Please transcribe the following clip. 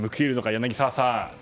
柳澤さん